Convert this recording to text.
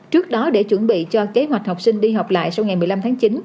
trước đó để chuẩn bị cho kế hoạch học sinh đi học lại sau ngày một mươi năm tháng chín